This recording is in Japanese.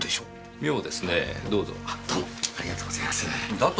あどうもありがとうございます。